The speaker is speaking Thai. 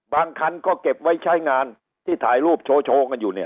คันก็เก็บไว้ใช้งานที่ถ่ายรูปโชว์กันอยู่เนี่ย